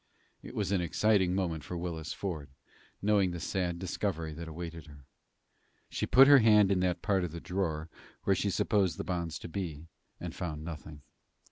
It was an exciting moment for Willis Ford, knowing the sad discovery that awaited her. She put her hand in that part of the drawer where she supposed the bonds to be, and found nothing.